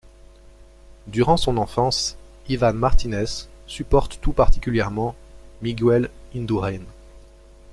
Durant son enfance, Iván Martínez supporte tout particulièrement Miguel Indurain.